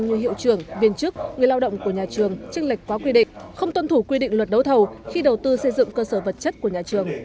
như hiệu trưởng viên chức người lao động của nhà trường chức lệch quá quy định không tuân thủ quy định luật đấu thầu khi đầu tư xây dựng cơ sở vật chất của nhà trường